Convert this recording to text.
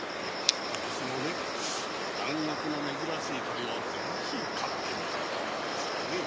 私も南の国の珍しい鳥をぜひ飼ってみたいと思いましてね。